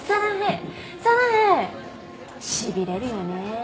しびれるよね。